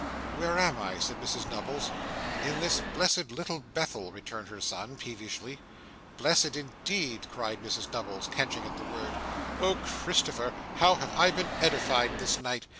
'Where am I?' said Mrs Nubbles. 'In this blessed Little Bethel,' returned her son, peevishly. 'Blessed indeed!' cried Mrs Nubbles, catching at the word. 'Oh, Christopher, how have I been edified this night!